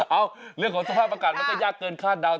เอาเรื่องของสภาพอากาศมันก็ยากเกินคาดเดา